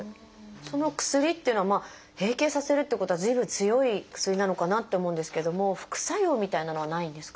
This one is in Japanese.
その薬っていうのは閉経させるっていうことはずいぶん強い薬なのかなって思うんですけれども副作用みたいなのはないんですか？